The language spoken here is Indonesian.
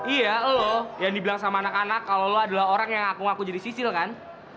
iya lo yang dibilang sama anak anak kalau lo adalah orang yang ngaku ngaku jadi sisil kan